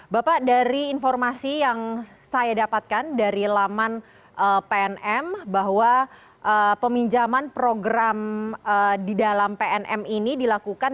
bapak dari informasi yang saya dapatkan dari laman pnm bahwa peminjaman program di dalam pnm ini dilakukan